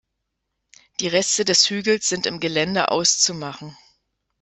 Die Reste des Hügels sind im Gelände auszumachen.